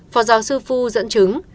phó giáo sư phu dẫn chứng